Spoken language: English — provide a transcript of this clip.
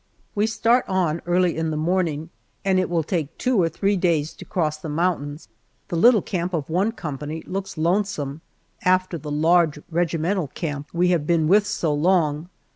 We start on early in the morning, and it will take two three days to cross the mountains. The little camp of one company looks lonesome after the large regimental camp we have been with so long.